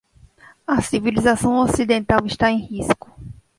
A civilização ocidental está em risco